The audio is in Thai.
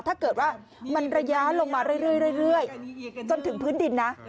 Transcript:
ถ้าเกิดว่ามันระยะลงมาเรื่อยจนถึงพื้นดินนะ